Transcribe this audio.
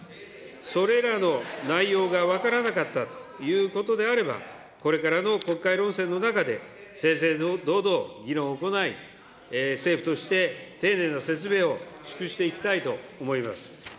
それらの内容が分からなかったということであれば、これからの国会論戦の中で正々堂々議論を行い、政府として丁寧な説明を尽くしていきたいと思います。